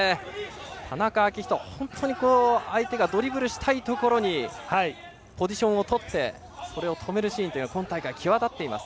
田中章仁相手がドリブルしたいところにポジションをとってそれを止めるシーンが今大会、際立っています。